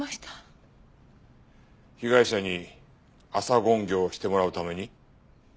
被害者に朝勤行をしてもらうために？